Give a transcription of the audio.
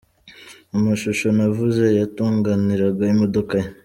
Mu mashusho navuze yatonganiraga imodoka ye.